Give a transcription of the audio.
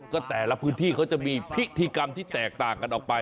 ก็แต่ละพื้นที่เขาจะมีพิธีกรรมที่แตกต่างกันออกไป